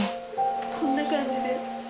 こんな感じで。